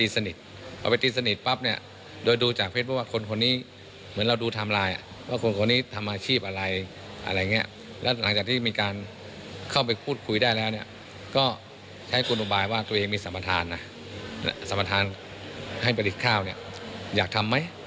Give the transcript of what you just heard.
สัมภัณฑ์ให้ประดิษฐ์ข้าวอยากทำไหม